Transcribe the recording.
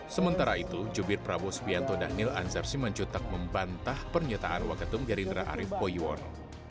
sementara itu jubir prabowo subianto dhanil anzapsi mencutak membantah pernyataan waketum gerindra arief poyuono